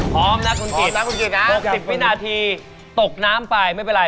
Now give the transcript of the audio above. พร้อมนะคุณกิจนะคุณกิจนะ๑๐วินาทีตกน้ำไปไม่เป็นไร